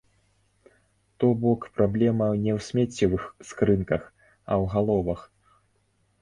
То бок праблема не ў смеццевых скрынках, а ў галовах.